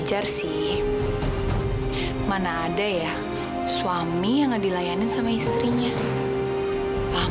kamu tuh ngapain sih